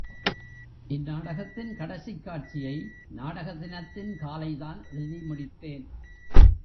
இந்நாடகத்தின் கடைசிக் காட்சியை நாடக தினத்தின் காலைதான் எழுதி முடித்தேன்.